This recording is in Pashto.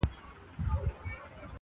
حقيقت پوښتنه کوي له انسانه,